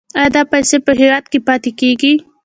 آیا دا پیسې په هیواد کې پاتې کیږي؟